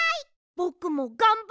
ぼくもがんばった！